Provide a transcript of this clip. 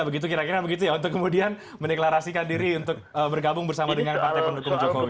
begitu kira kira begitu ya untuk kemudian mendeklarasikan diri untuk bergabung bersama dengan partai pendukung jokowi